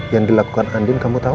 yang dilakukan andin kamu tahu